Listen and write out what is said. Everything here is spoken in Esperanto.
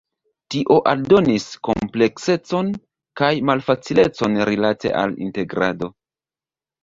Tio aldonis kompleksecon kaj malfacilecon rilate al integrado.